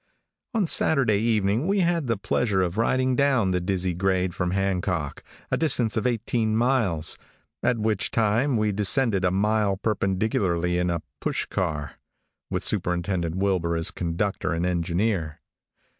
On Saturday evening we had the pleasure of riding down the dizzy grade from Hancock, a distance of eighteen miles, at which time we descended a mile perpendicularly in a push car, with Superintendent Wilbur as conductor and engineer.